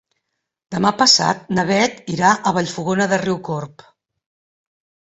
Demà passat na Beth irà a Vallfogona de Riucorb.